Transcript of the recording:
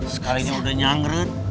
sekalian udah nyangret